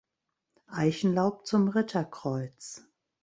Eichenlaub zum Ritterkreuz.